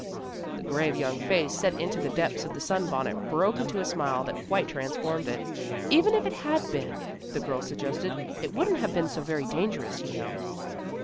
The grave young face set in the depths of the sunbonnet broke into a smile that quite transformed it. "Even if it had been," the girl suggested, "it wouldn't have been so very dangerous, you know."